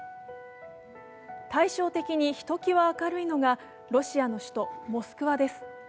対照的にひときわ明るいのがロシアの首都モスクワです。